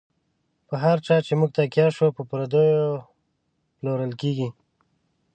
په هر چا چی موږ تکیه شو، په پردیو پلورل کیږی